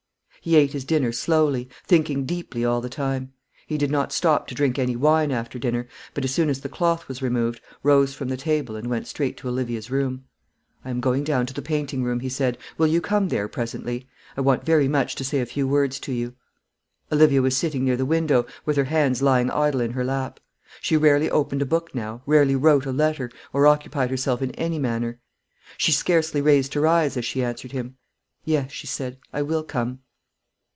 He ate his dinner slowly, thinking deeply all the time. He did not stop to drink any wine after dinner; but, as soon as the cloth was removed, rose from the table, and went straight to Olivia's room. "I am going down to the painting room," he said. "Will you come there presently? I want very much to say a few words to you." Olivia was sitting near the window, with her hands lying idle in her lap. She rarely opened a book now, rarely wrote a letter, or occupied herself in any manner. She scarcely raised her eyes as she answered him. "Yes," she said; "I will come."